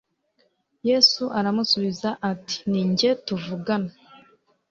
Yesu aramusubiza ati : "Ni njye tuvugana."